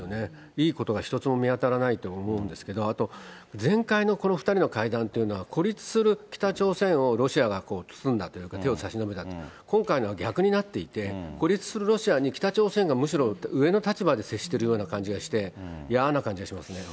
いいことが１つも見当たらないと思うんですけど、あと前回のこの２人の会談っていうのは、孤立する北朝鮮をロシアが包んだというか、手を差し伸べたっていう、今回は逆になっていて、孤立するロシアに北朝鮮がむしろ上の立場で接しているような感じがして、嫌な感じがしますね。